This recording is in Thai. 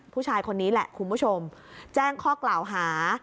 ผู้ชายคนนี้แหละคุณผู้ชมแจ้งข้อกล่าวหา